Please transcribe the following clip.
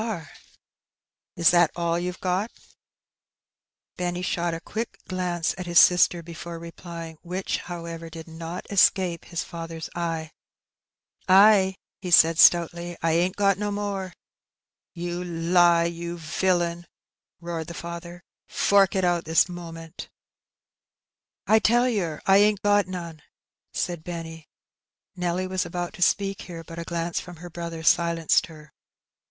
"la that all you've got?" Addleb's Hall. 19 Benny shot a quick glance at his sister before replying, which, however, did not escape his father's eye. ^^ Aj" he said, stoutly; "I ain't got no more." '^ You lie, you villain !" roared the father ;" fork it out this moment.'' ^' I tell yer I ain't got none," said Benny. Nelly was about to speak here, but a glance from her brother silenced her.